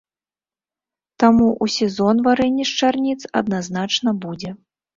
Таму ў сезон варэнне з чарніц адназначна будзе.